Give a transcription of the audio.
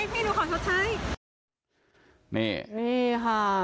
หนูขอชดใช้หนูขอชดใช้พี่หนูขอชดใช้